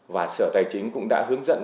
và sở tài chính cũng đã hướng dẫn